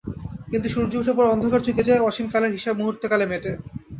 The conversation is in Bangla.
কিন্তু সূর্য উঠে পড়ে, অন্ধকার চুকে যায়, অসীম কালের হিসাব মুহূর্তকালে মেটে।